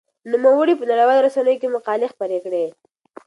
نوموړي په نړيوالو رسنيو کې مقالې خپرې کړې.